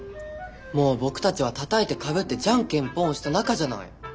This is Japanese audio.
もうボクたちは「たたいてかぶってじゃんけんぽん」をした仲じゃない！